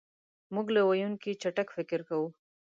مونږ له ویونکي چټک فکر کوو.